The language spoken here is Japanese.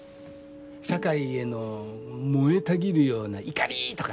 社会への燃えたぎるような怒りとか？